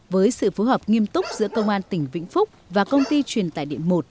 với sự phù hợp nghiêm túc giữa công an tỉnh vĩnh phúc và công ty truyền tài điện một